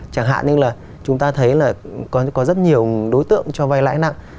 chẳng hạn như là chúng ta thấy là có rất nhiều đối tượng cho vay lãi nặng